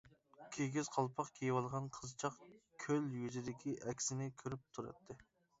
كىگىز قالپاق كىيىۋالغان قىزچاق كۆل يۈزىدىكى ئەكسىنى كۆرۈپ تۇراتتى.